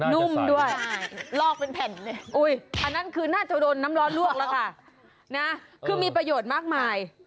นุ่มด้วยลอกเป็นแผ่นเลยอันนั้นคือน่าจะโดนน้ำร้อนลวกแล้วค่ะนะคือมีประโยชน์มากมาย